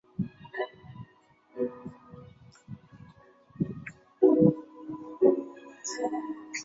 曹溪南宗又分为石头禅和洪州禅。